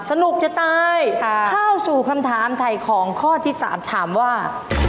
สนุกจะตายเข้าสู่คำถามถ่ายของข้อที่๓ถามว่า